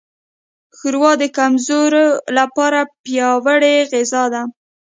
ښوروا د کمزورو لپاره پیاوړې غذا ده.